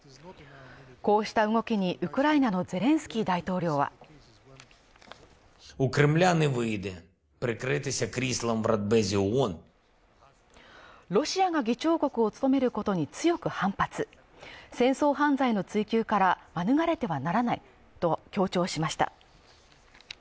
こうした動きに、ウクライナのゼレンスキー大統領はロシアが議長国を務めることに強く反発、戦争犯罪の追及から免れてはならないと強調しました。